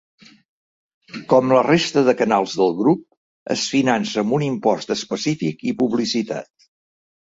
Com la resta de canals del grup, es finança amb un impost específic i publicitat.